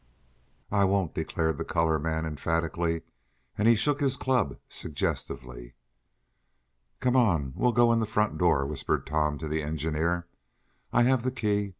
"I won't!" declared the colored man emphatically, and he shook his club suggestively. "Come on! We'll go in the front door," whispered Tom to the engineer. "I have the key.